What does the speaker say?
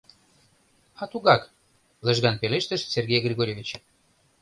— А тугак... — лыжган пелештыш Сергей Григорьевич.